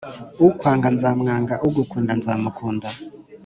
ukwanga nzamwanga ugukunda nzamukunda